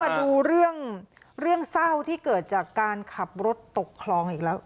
มาดูเรื่องเศร้าที่เกิดจากการขับรถตกคลองอีกแล้ว